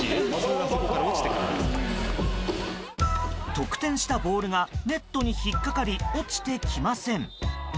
得点したボールがネットに引っ掛かり落ちてきません。